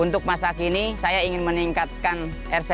untuk masa kini saya ingin meningkatkan pertanian organik